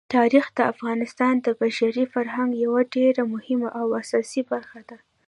تاریخ د افغانستان د بشري فرهنګ یوه ډېره مهمه او اساسي برخه ده.